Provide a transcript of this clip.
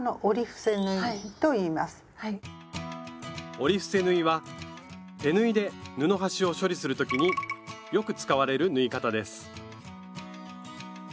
折り伏せ縫いは手縫いで布端を処理する時によく使われる縫い方です